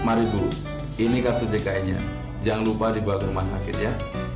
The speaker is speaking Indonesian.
lima ini kartu dki nya jangan lupa dibawa ke rumah sakit ya